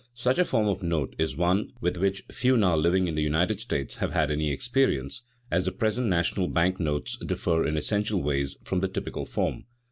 Such a form of note is one with which few now living in the United States have had any experience, as the present national bank notes differ in essential ways from the typical form.